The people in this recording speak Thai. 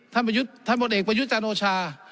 ท่านพลเอกประยุทธ์จันโอชา